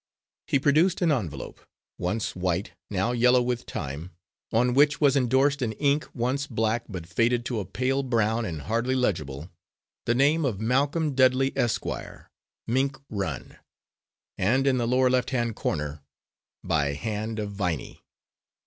He produced an envelope, once white, now yellow with time, on which was endorsed in ink once black but faded to a pale brown, and hardly legible, the name of "Malcolm Dudley, Esq., Mink Run," and in the lower left hand corner, "By hand of Viney."